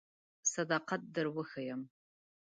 صداقت در وښیم.